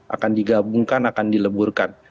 akan digabungkan akan dileburkan